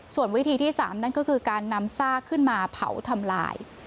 ส่วนวิธีที่๓นั่นก็คือการนำซากขึ้นมาเผาทำลาย